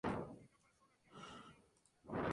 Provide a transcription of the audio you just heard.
Se refiere a sí mismo en tercera persona.